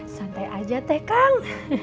santai aja teh kang